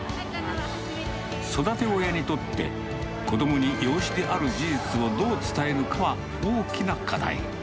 育て親にとって、子どもに養子である事実をどう伝えるかは大きな課題。